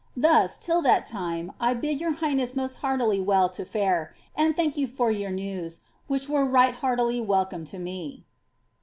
Thus, till that time, I bid your hi^hnoss most heartily well to fare, anJ thank you for your news, which were right heartily welcome to me.